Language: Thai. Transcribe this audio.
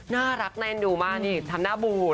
น่ารักแน่นดูมากนี่ทำหน้าบูด